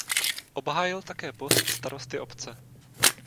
Obhájil také post starosty obce.